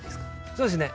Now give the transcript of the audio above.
そうですね。